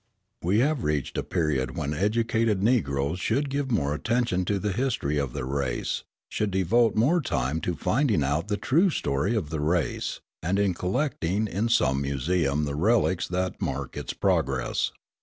We have reached a period when educated Negroes should give more attention to the history of their race; should devote more time to finding out the true history of the race, and in collecting in some museum the relics that mark its progress.